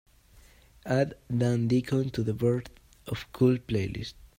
Add dan deacon to the birth of cool playlist